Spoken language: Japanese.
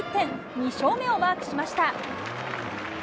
２勝目をマークしました。